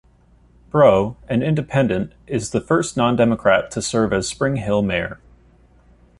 Breaux, an Independent, is the first non-Democrat to serve as Springhill mayor.